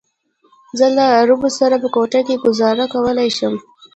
زه له عربو سره په کوټه کې ګوزاره کولی شم.